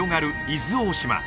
伊豆大島